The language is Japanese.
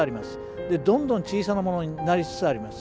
どんどん小さなものになりつつあります。